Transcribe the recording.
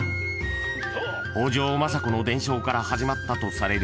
［北条政子の伝承から始まったとされる